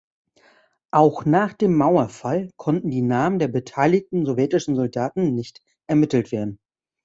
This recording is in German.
Auch nach dem Mauerfall konnten die Namen der beteiligten sowjetischen Soldaten nicht ermittelt werden.